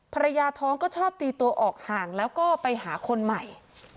ภรรยาท้องก็ชอบตีตัวออกห่างแล้วก็ไปหาคนใหม่